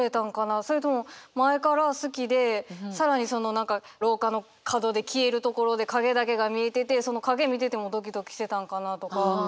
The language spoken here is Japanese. それとも前から好きで更にその何か廊下の角で消えるところで影だけが見えててその影見ててもドキドキしてたんかなとか。